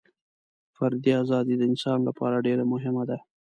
فردي ازادي د انسان لپاره ډېره مهمه ده.